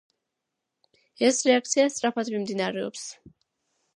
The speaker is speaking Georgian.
ეს რეაქცია სწრაფად მიმდინარეობს.